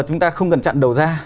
chúng ta không cần chặn đầu ra